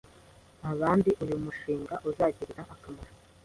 abandi uyu mushinga uzagirira akamaro